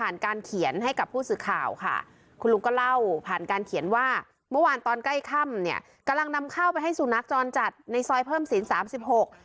เนี่ยกำลังนำเข้าไปให้สู่นักจรจัดในซอยเพิ่มศีลสามสิบหก